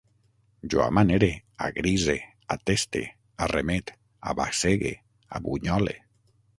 Jo amanere, agrise, ateste, arremet, abassegue, abunyole